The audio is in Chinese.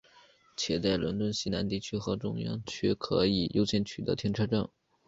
且在伦敦西南区和中央区可以优先取得停车证。